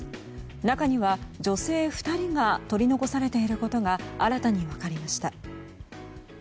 中には女性２人が取り残されていることが新たに分かりました。